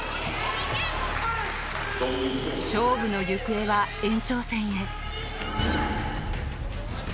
勝負の行方は延長戦へ。